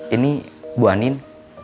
ini bu anin